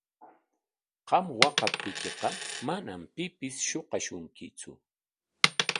Qam waqaptiykiqa manam pipis shuqashunkitsu.